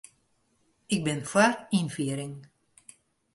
Ik bin foar ynfiering.